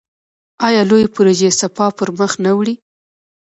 آیا لویې پروژې سپاه پرمخ نه وړي؟